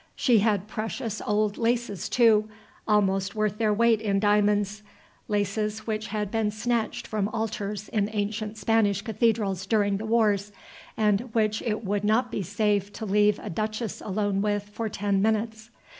She had precious old laces, too, almost worth their weight in diamonds; laces which had been snatched from altars in ancient Spanish cathedrals during the wars, and which it would not be safe to leave a duchess alone with for ten minutes.